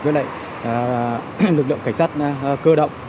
với lực lượng cảnh sát cơ động